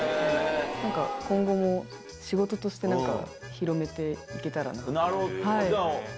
今後も仕事として広げて行けたらなと。